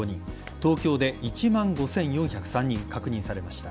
東京で１万５４０３人確認されました。